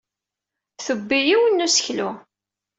Tebbi yiwen n useklu.